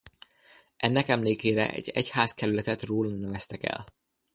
Ennek emlékére egy egyházkerületet róla neveztek el.